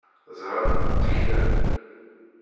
Ẓran, tteklen.